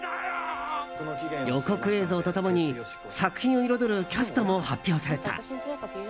予告映像と共に作品を彩るキャストも発表された。